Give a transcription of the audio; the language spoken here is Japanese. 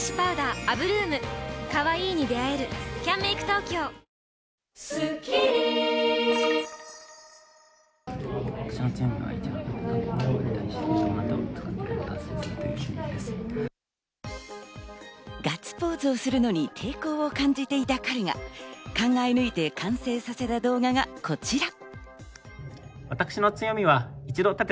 ポーズを作るよりも論理的なガッツポーズをするのに抵抗を感じていた彼が考え抜いて完成させた動画がこちら。